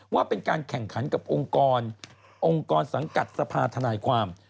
ว่าเป็นการแข่งขันกับองค์กรองค์กรสังกัดสภาธนายความ